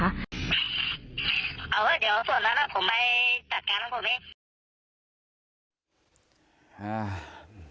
เอาเถอะเดี๋ยวส่วนละนะผมไปตัดการของคุณพี่